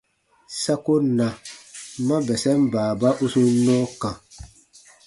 Sa ko na ma bɛsɛn baaba u sun nɔɔ kã.